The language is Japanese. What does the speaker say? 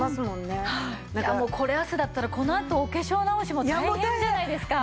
これ汗だったらこのあとお化粧直しも大変じゃないですか。